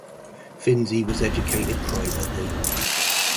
Finzi was educated privately.